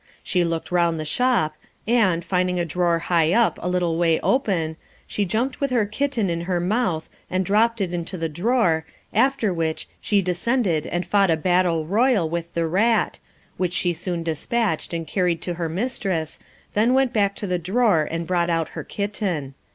She looked round the shop, and, finding a drawer high up a little way open, she jumped with her kitten in her mouth, and dropped it into the drawer, after which she descended and fought a battle royal with the rat, which she soon despatched and carried to her mistress, then went back to the drawer and brought out her kitten."